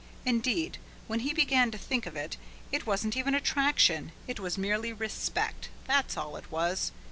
Indeed, when he began to think of it, it wasn't even attraction, it was merely respect, that's all it was.